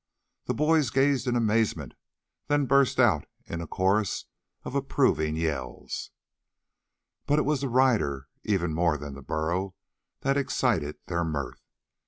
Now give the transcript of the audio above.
The boys gazed in amazement; then burst out in a chorus of approving yells. But it was the rider, even more than the burro, that excited their mirth.